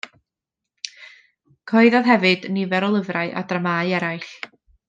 Cyhoeddodd hefyd nifer o lyfrau a dramâu eraill.